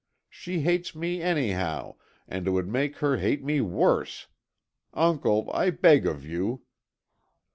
She hates me, anyhow, and it would make her hate me worse! Uncle, I beg of you....